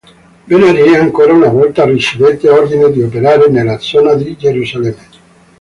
Ben Ari e ancora una volta ricevette ordine di operare nella zona di Gerusalemme.